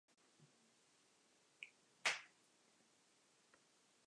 This was accomplished by crossing the Atlantic in an amphibious plane.